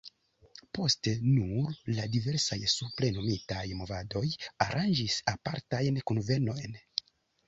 Poste nur la diversaj supre nomitaj movadoj aranĝis apartajn kunvenojn.